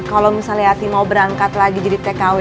kalau misalnya hati mau berangkat lagi jadi tkw